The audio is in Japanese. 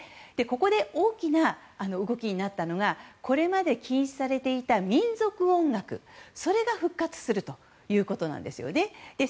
ここで大きな動きになったのがこれまで禁止されていた民族音楽が復活するということなんです。